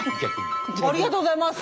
ありがとうございます。